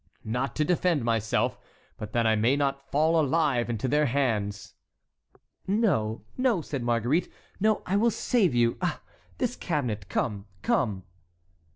"Not to defend myself, but that I may not fall alive into their hands." "No, no!" said Marguerite. "No, I will save you. Ah! this cabinet! Come! come."